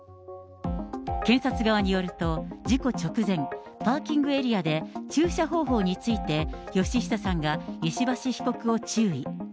検察側によると、事故直前、パーキングエリアで駐車方法について嘉久さんが石橋被告を注意。